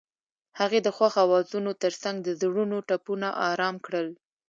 هغې د خوښ اوازونو ترڅنګ د زړونو ټپونه آرام کړل.